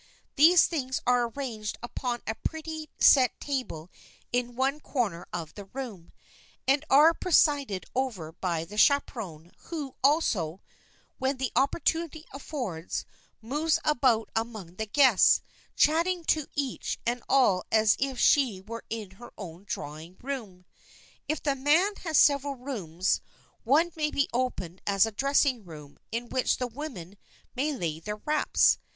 These things are arranged upon a prettily set table in one corner of the room, and are presided over by the chaperon, who also, when the opportunity affords, moves about among the guests, chatting to each and all as if she were in her own drawing room. If the man has several rooms, one may be opened as a dressing room in which the women may lay their wraps.